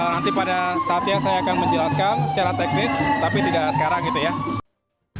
nanti pada saatnya saya akan menjelaskan secara teknis tapi tidak sekarang gitu ya